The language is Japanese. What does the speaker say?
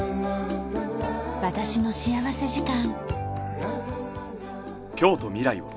『私の幸福時間』。